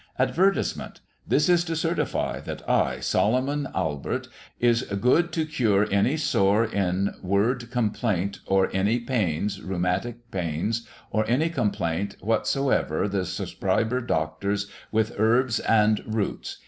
"ADVERTISEMENT:—This is to certify that I, Solomon Albert, is Good to cure any sore in word Complaint or any Pains, Rheumatick Pains or any Complaint what so ever the Subscriber doctors with yerbs and Roots.